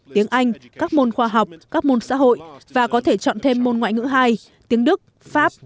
tiếng anh các môn khoa học các môn xã hội và có thể chọn thêm môn ngoại ngữ hai tiếng đức pháp